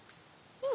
うん。